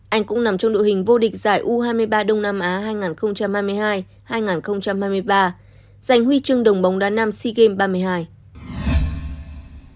anh cũng nằm trong đội hình vô địch giải u hai mươi ba đông nam á hai nghìn hai mươi hai hai nghìn hai mươi ba giành huy chương đồng bóng đá nam sea games ba mươi hai